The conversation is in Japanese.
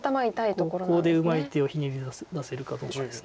ここでうまい手をひねり出せるかどうかです。